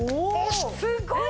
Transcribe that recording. すごい力！